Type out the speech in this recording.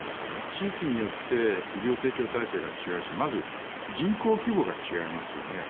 地域によって医療提供体制が違うしまず人口規模が違いますよね。